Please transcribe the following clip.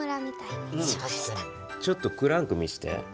ちょっとクランク見して。